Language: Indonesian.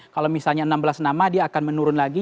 kalau misalnya enam belas nama dia akan menurun lagi